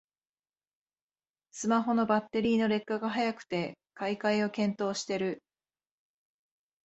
スマホのバッテリーの劣化が早くて買い替えを検討してる